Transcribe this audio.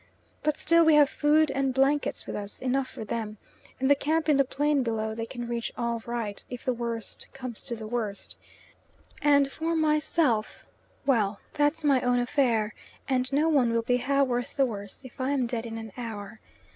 But still we have food and blankets with us enough for them, and the camp in the plain below they can reach all right, if the worst comes to the worst; and for myself well that's my own affair, and no one will be a ha'porth the worse if I am dead in an hour.